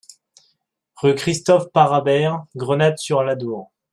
Rue Christophe Parabère, Grenade-sur-l'Adour